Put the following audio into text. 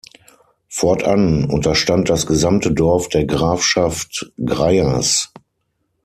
Fortan unterstand das gesamte Dorf der Grafschaft Greyerz.